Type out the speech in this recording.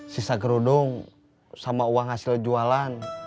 sisa kerudung sama uang hasil jualan